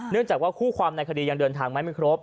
เนื่องจากว่าคู่ความในคดียังเดินทางไหมไม่ครบ